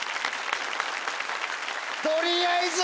取りあえず。